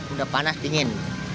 udah panas dingin